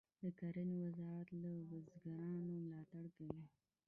د کرنې وزارت له بزګرانو ملاتړ کوي.